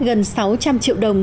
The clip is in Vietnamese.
gần sáu trăm linh triệu đồng